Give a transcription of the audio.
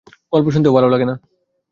গল্প শুনতেও ভাল লাগে না।